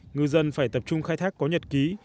ngư dân phải tập trung khai thác có nhật ký